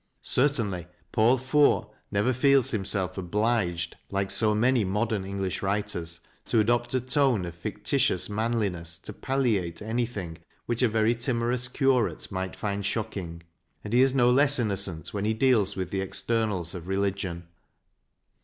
Certainly Paul Fort never feels himself obliged, like so many modern English writers, to adopt a tone of fictitious manliness to palliate anything which a very timorous curate might find shocking. And he is no less innocent when he deals with the externals of religion.